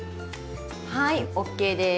はいＯＫです。